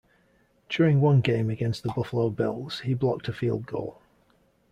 During one game against the Buffalo Bills, he blocked a field goal.